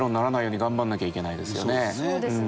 そうですね。